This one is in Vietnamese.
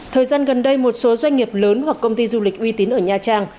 thời gian gần đây một số doanh nghiệp lớn hoặc công ty du lịch uy tín ở nha trang